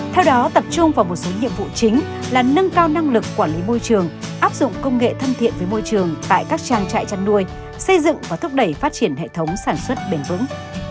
theo đó tập trung vào một số nhiệm vụ chính là nâng cao năng lực quản lý môi trường áp dụng công nghệ thân thiện với môi trường tại các trang trại chăn nuôi xây dựng và thúc đẩy phát triển hệ thống sản xuất bền vững